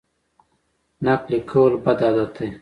نقل کول بد عادت دی.